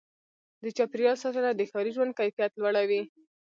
د چاپېریال ساتنه د ښاري ژوند کیفیت لوړوي.